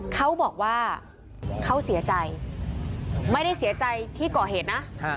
เขาบอกว่าเขาเสียใจไม่ได้เสียใจที่ก่อเหตุนะ